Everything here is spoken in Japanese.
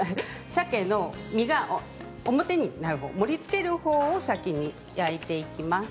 さけの身が表になるほう盛りつけるほうを先に焼いていきます。